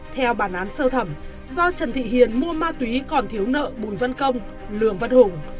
theo bản án sơ thẩm do trần thị hiền mua ma túy còn thiếu nợ bùi văn công lường văn hùng